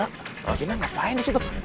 gak ada gina ngapain disitu